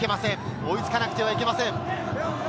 追いつかなくてはいけません。